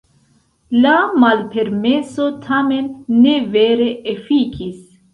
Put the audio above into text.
La malpermeso tamen ne vere efikis.